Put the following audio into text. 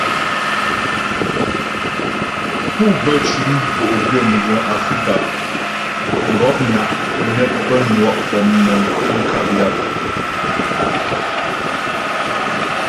Pú bə cʉm bo'gwyə mguŋ Afrika, mgɔpna' ne pə́ nwɔ' pɔmnəŋ kwi nkap yap.